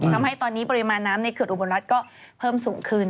ทำให้ตอนนี้ปริมาณน้ำในเขื่อนอุบลรัฐก็เพิ่มสูงขึ้น